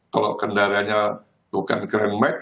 kalau kendaranya bukan grand mag